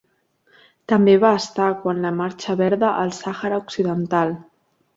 També va estar quan la Marxa Verda al Sàhara Occidental.